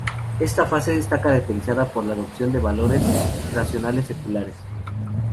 Esta fase está caracterizada por la adopción de valores racionales-seculares.